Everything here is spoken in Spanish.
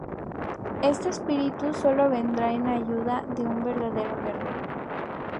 Este espíritu sólo vendrá en ayuda de un verdadero guerrero.